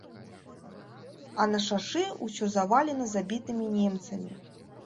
А на шашы ўсё завалена забітымі немцамі.